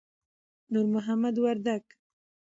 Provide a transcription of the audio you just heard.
نور محمد وردک